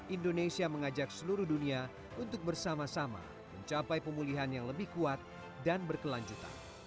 indonesia mengajak seluruh dunia untuk bersama sama mencapai pemulihan yang lebih kuat dan berkelanjutan